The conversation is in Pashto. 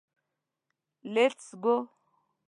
لېټس ګو.